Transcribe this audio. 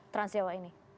trans jawa ini